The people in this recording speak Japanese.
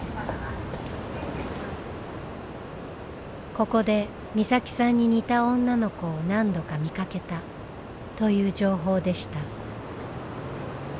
「ここで美咲さんに似た女の子を何度か見かけた」という情報でした。